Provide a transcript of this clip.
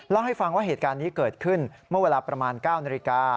เล่าให้ฟังว่าเหตุการณ์นี้เกิดขึ้นเมื่อเวลาประมาณ๙นาฬิกา